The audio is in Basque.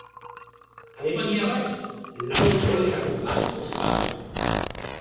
Alemaniarrak, lau goletako bat ospatzen.